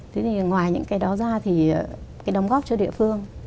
thế thì ngoài những cái đó ra thì cái đóng góp cho địa phương